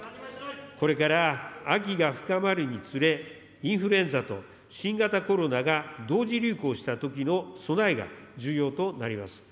これから秋が深まるにつれ、インフルエンザと新型コロナが同時流行したときの備えが重要となります。